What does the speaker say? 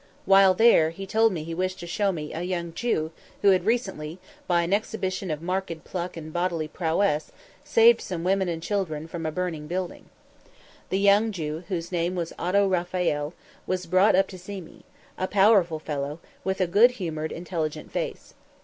While there he told me he wished to show me a young Jew who had recently, by an exhibition of marked pluck and bodily prowess, saved some women and children from a burning building. The young Jew, whose name was Otto Raphael, was brought up to see me; a powerful fellow, with a good humored, intelligent face.